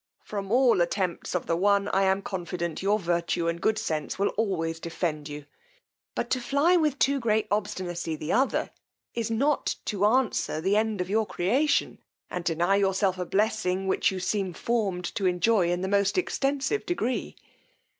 From all attempts of the one, I am confident, your virtue and good sense will always defend you; but to fly with too great obstinacy the other, is not to answer the end of your creation; and deny yourself a blessing, which you seem formed to enjoy in the most extensive degree.